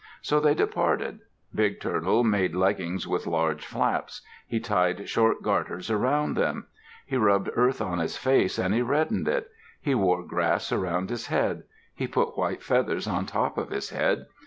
So they departed. Big Turtle made leggings with large flaps. He tied short garters around them. He rubbed earth on his face and he reddened it. He wore grass around his head. He put white feathers on top of his head.